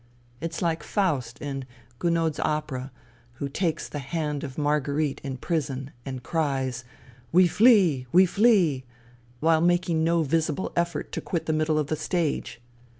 It's like Faust in Gounod's opera who takes the hand of Marguerite in prison and cries, ' We flee ! We flee !' while making no visible effort to quit the middle of the stage.